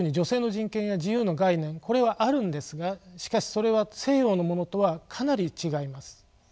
これはあるんですがしかしそれは西洋のものとはかなり違います。